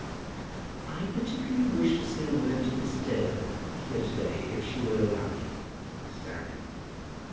"I particularly wish to say a word to Miss Dale, here to day, if she will allow me," said Mrs. Arabin.